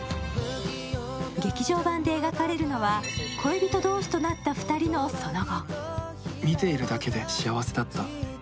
劇場版で描かれるのは恋人同士となったその後。